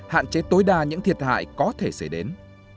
hạn chế tối đa những thiệt hại có thể xảy đến